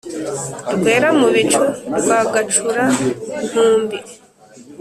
rwera-mu-bicu rwa gacura-nkumbi,